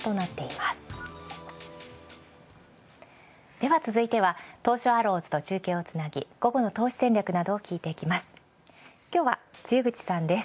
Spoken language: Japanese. では続いては東証アローズと中継をつなぎ、午後の投資戦略などを聞いていきます。